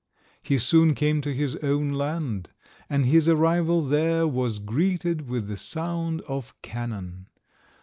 He soon came to his own land, and his arrival there was greeted with the sound of cannon.